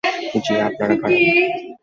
জি, আপনারা কারা?